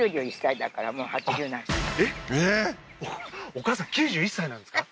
お母さん９１歳なんですか？